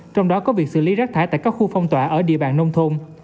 trong đó có việc xử lý rác thải tại các khu phong tỏa ở địa bàn nông thôn